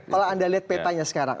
kalau anda lihat petanya sekarang